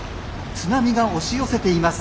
津波が押し寄せています。